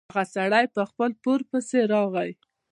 هغه سړی په خپل پور پسې راغی.